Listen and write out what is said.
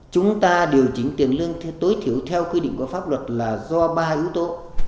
chúng ta điều chỉnh tiền lương theo tối thiểu theo quy định của pháp luật là do ba yếu tố